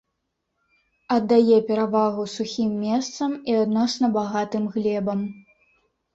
Аддае перавагу сухім месцам і адносна багатым глебам.